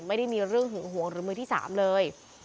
ไม่ได้มีเรื่องหึงหวงหรือมือที่๓เลย